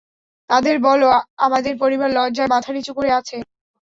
তাদের বলো আমাদের পরিবার লজ্জায় মাথা নিচু করে আছে!